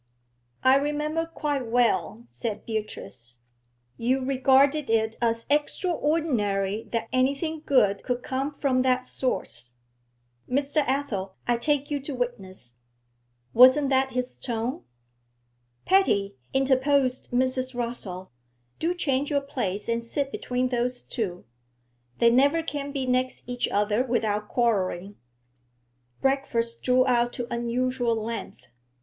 'I remember quite well,' said Beatrice; 'you regarded it as extraordinary that anything good could come from that source, Mr. Athel, I take you to witness, wasn't that his tone?' 'Patty,' interposed Mrs. Rossall, 'do change your place and sit between those two; they never can be next each other without quarrelling.' Breakfast drew out to unusual length.